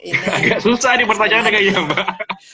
agak susah nih pertanyaannya kayaknya mbak